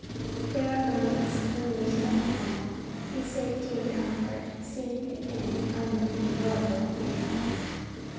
There were moments when waiting at home, in safety and comfort, seemed an unendurable thing.